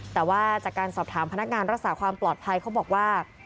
แต่ว่าจากการสอบถามพนักงานรักษาความปลอดภัยเขาบอกว่า